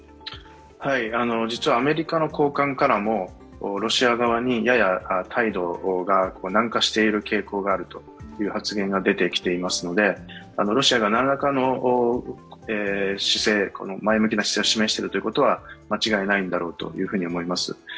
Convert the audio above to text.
実はアメリカの高官からもロシア側にやや態度が軟化している傾向があるという発言が出てきていますのでロシアが何らかの前向きな姿勢を示しているということは間違いないんだろうと思います。